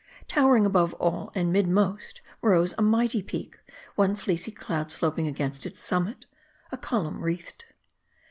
Towering above all, and mid most, rose a mighty peak ; one fleecy cloud sloping against its summit ; a column wreathed.